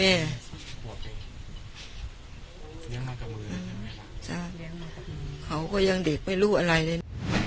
เขาก็ยังเด็กไม่รู้อะไรเลย